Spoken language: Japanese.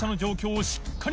しっかり